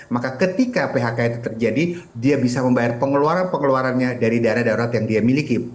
maka ketika phk itu terjadi dia bisa membayar pengeluaran pengeluarannya dari dana darurat yang dia miliki